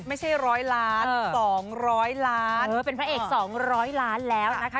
ไม่ใช่ร้อยล้านสองร้อยล้านเออเป็นพระเอกสองร้อยล้านแล้วนะคะ